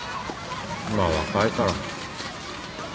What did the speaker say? まあ若いから。